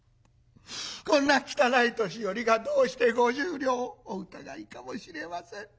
こんな汚い年寄りがどうして５０両お疑いかもしれません。